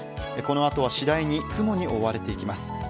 このあとは次第に雲に覆われていきます。